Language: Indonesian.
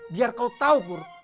biar kau tahu pur